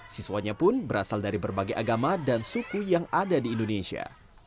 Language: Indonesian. siswanya pun berasal dari berbagai agama dan suku yang ada di indonesia